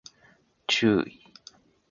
注意